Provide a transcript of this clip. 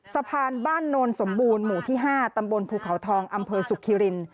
สะพานบ้านโนนสมบูรณ์หมู่ที่๕ตำบลภูเขาทองอำเภอสุขิริน